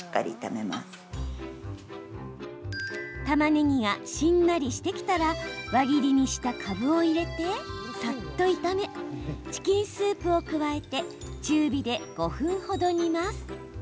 たまねぎがしんなりしてきたら輪切りにした、かぶを入れてさっと炒めチキンスープを加えて中火で５分ほど煮ます。